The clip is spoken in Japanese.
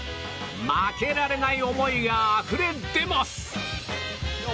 負けられない思いがあふれ出ます！